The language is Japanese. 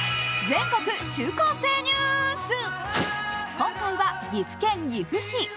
今回は岐阜県岐阜市。